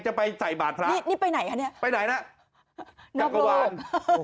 จะไปใส่บาดพระนี่ไปไหนคะนี่ไปไหนนะนับโลกจักรวาล